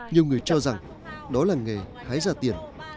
nhiều người cho rằng đó là nghề hái ra tiền